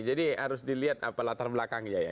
jadi harus dilihat apa latar belakangnya ya